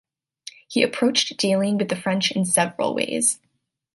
He approached dealing with the French in several ways.